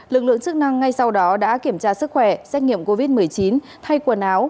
lực lượng chức năng ngay sau đó đã kiểm tra sức khỏe xét nghiệm covid một mươi chín thay quần áo